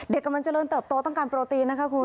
เด็กกำลังจะเริ่มเติบโตต้องการโปรตีนนะครับคุณ